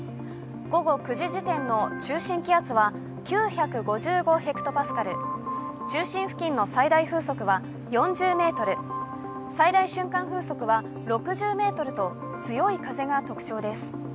午後９時時点の中心気圧は９５５ｈＰａ、中心付近の最大風速は４０メートル、最大瞬間風速は６０メートルと強い風が特徴です。